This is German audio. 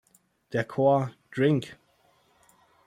Der Chor „Drink!